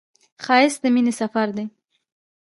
ښایست د مینې سفر دی